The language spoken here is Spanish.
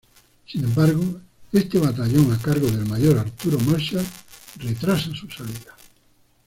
Sin embargo, este batallón a cargo del mayor Arturo Marshall, retrasa su salida.